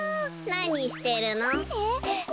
なにしてるの？え。